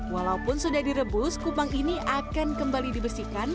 walaupun sudah direbus kupang ini akan kembali dibersihkan